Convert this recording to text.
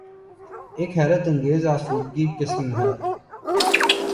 ایک حیرت انگیز آسودگی قسم ہے۔